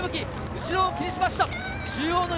後ろも気にしました。